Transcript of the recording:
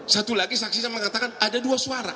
satu lagi saksi saya mengatakan ada dua suara